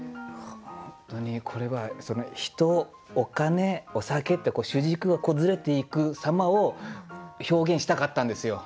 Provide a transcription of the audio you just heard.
本当にこれは「人」「お金」「お酒」って主軸がずれていく様を表現したかったんですよ。